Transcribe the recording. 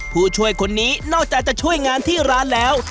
ผู้ช่วยคนนี้นอกจากจะช่วยงานที่ร้านแล้ว